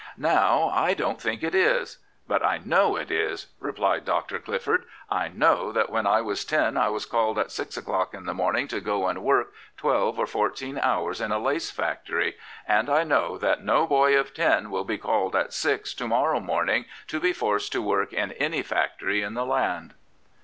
" Now, I don't think it is." " But I know it is," replied Dr. Clifford. " I know that when I was ten I was called at six o'clock in the morning to go and work twelve or fourteen hours in a lace factory, and I know that no boy of ten will be called at six to morrow morning to be forced to work in any factory in the land."